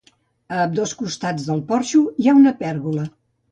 A ambdós costats del porxo hi ha una pèrgola.